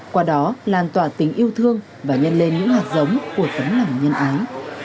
qua đó làn tỏa tính yêu thương và nhân lên những hạt giống của thấm lòng nhân ái